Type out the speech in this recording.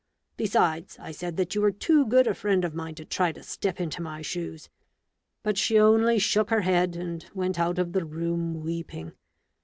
Besides, I said that you were too good a friend of mine to try to step into my shoes. But she only shook her head, and went out of the room weeping.